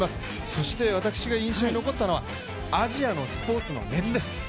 そして、私が印象に残ったのはアジアのスポーツの熱です。